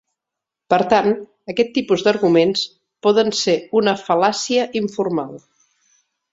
Per tant, aquest tipus d'arguments poden ser una fal·làcia informal.